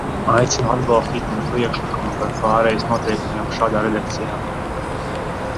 Aicinu atbalstīt manu priekšlikumu par pārejas noteikumiem šādā redakcijā.